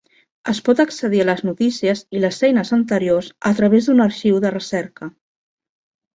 Es pot accedir a les notícies i les eines anteriors a través d'un arxiu de recerca.